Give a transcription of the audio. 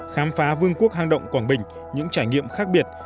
khám phá vương quốc hang động quảng bình những trải nghiệm khác biệt